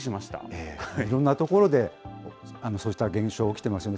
いろんなところでそういった現象が起きてますね。